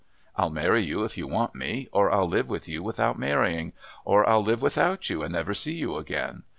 I'll marry you if you want me, or I'll live with you without marrying, or I'll live without you and never see you again.